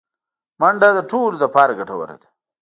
منډه د ټولو لپاره ګټوره ده